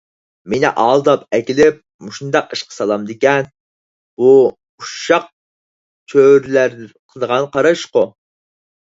مېنى ئالداپ ئەكېلىپ مۇشۇنداق ئىشقا سالامدىكەن؟ بۇ ئۇششاق چۆرىلەر قىلىدىغان قارا ئىشقۇ!